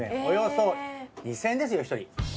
およそ２，０００円ですよ１人。